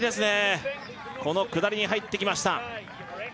この下りに入ってきました